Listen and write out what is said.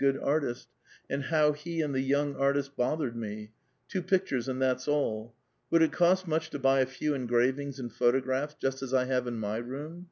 good artist, and how he and the young artist bothered we. Two pictures and that's all. Would it cost much to l>uy a. few engravings and photographs just as I have in my room